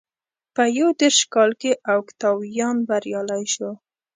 په یو دېرش کال کې اوکتاویان بریالی شو.